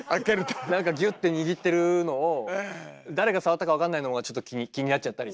なんかギュッて握ってるのを誰が触ったか分かんないのがちょっと気になっちゃったりとか。